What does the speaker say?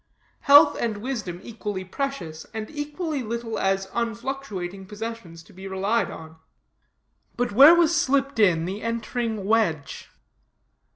Health and wisdom equally precious, and equally little as unfluctuating possessions to be relied on. But where was slipped in the entering wedge?